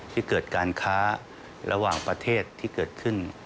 ที่เกิดการค้าระหว่างประเทศที่เกิดขึ้น